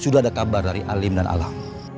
sudah ada kabar dari alim dan alam